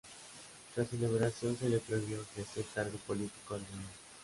Tras su liberación se le prohibió ejercer cargo político alguno.